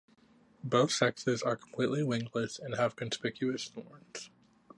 Both sexes are completely wingless and have conspicuous thorns.